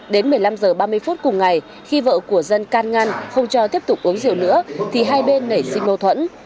đến một mươi năm h ba mươi phút cùng ngày khi vợ của dân can ngăn không cho tiếp tục uống rượu nữa thì hai bên nảy sinh mâu thuẫn